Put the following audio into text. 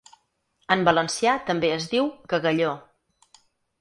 En valencià també es diu: cagalló.